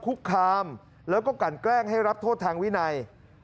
คุกคามแล้วก็กันแกล้งให้รับโทษทางวินัย